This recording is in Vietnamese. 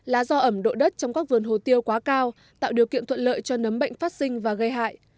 là do ẩm độ đất trong các vườn hồ tiêu quá cao tạo điều kiện thuận lợi cho nấm bệnh phát sinh và gây hại